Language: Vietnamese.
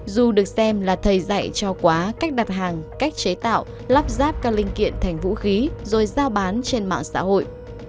dù được xem là thầy dạy cho quá cách đặt hàng cách chế tạo lắp ráp các linh kiện thành vũ khí rồi giao bán trên mạng xã hội